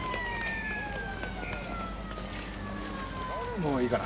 もういいかな？